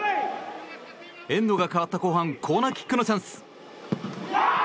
エンドが変わった後半コーナーキックのチャンス。